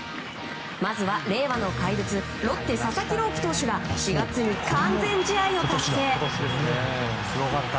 まずは令和の怪物ロッテ、佐々木朗希投手が４月に完全試合を達成。